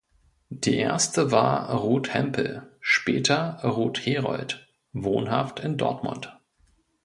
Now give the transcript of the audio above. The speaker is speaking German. Die Erste war Ruth Hempel, später Ruth Herold, wohnhaft in Dortmund.